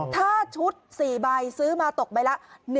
ถ้าชุด๔ใบซื้อมาตกใบละ